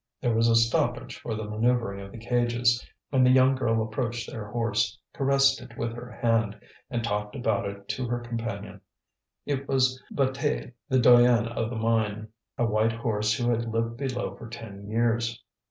There was a stoppage for the manoeuvring of the cages, and the young girl approached their horse, caressed it with her hand, and talked about it to her companion. It was Bataille, the doyen of the mine, a white horse who had lived below for ten years.